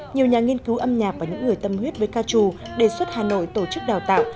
nhiều nhà nghiên cứu âm nhạc và những người tâm huyết với ca trù đề xuất hà nội tổ chức đào tạo